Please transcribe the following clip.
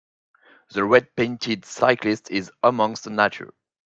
The red panted cyclist is amongst nature.